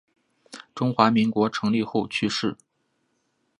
中华民国成立后去世。